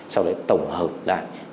sau đấy tổng hợp lại